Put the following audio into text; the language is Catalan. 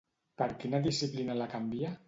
Per quina disciplina la canvia?